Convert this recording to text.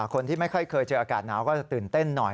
คนที่ไม่ค่อยเคยเจออากาศหนาวก็จะตื่นเต้นหน่อย